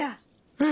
うん！